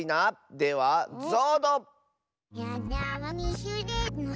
ではぞうど！